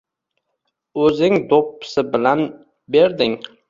O‘zing do‘ppisi bilan berding.